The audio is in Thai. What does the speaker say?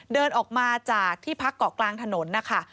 เดินออกมาจากที่พักเกาะกลางถนนนะคะ